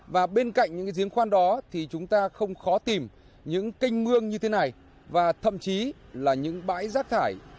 và bên cạnh những giếng khoan đó thì chúng ta không khó tìm những canh mương như thế này và thậm chí là những bãi rác thải